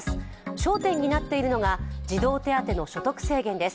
焦点になっているのが児童手当の所得制限です。